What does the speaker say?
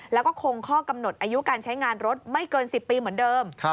แล้วก็คงข้อกำหนดอายุการใช้งานรถไม่เกิน๑๐ปีเหมือนเดิม